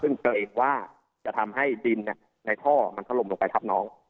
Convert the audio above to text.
ซึ่งเกรงว่าจะทำให้ดินในท่อมันถล่มลงไปทับน้อง